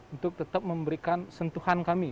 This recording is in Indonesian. untuk tetap memberikan sentuhan kami